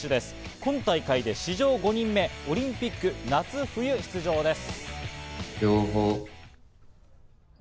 今大会で史上５人目、オリンピック夏冬出場です。